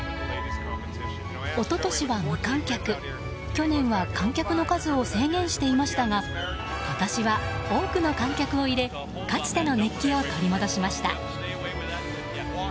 一昨年は無観客去年は観客の数を制限していましたが今年は多くの観客を入れかつての熱気を取り戻しました。